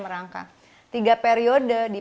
merangkak tiga periode di